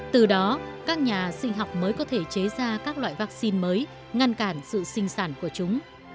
từ đó các nhà sinh học mới có thể chế ra các loại vaccine mới ngăn cản sự sinh sản của chúng